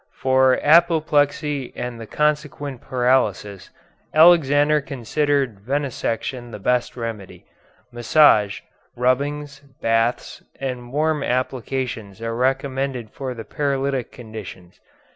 For apoplexy and the consequent paralysis, Alexander considered venesection the best remedy. Massage, rubbings, baths, and warm applications are recommended for the paralytic conditions.